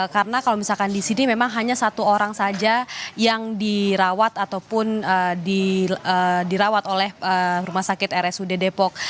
karena kalau misalkan di sini memang hanya satu orang saja yang dirawat ataupun dirawat oleh rumah sakit rsud depok